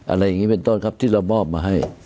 อะไรอย่างนี้เป็นต้นครับที่เรามอบมาให้